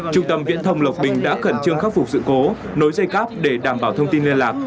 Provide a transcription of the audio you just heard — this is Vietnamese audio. trung tâm viễn thông lộc bình đã khẩn trương khắc phục sự cố nối dây cáp để đảm bảo thông tin liên lạc